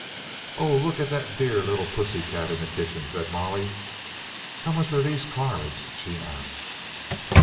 "Oh, look at that dear little pussy cat in the kitchen!" said Molly. "How much are these cards?" she asked.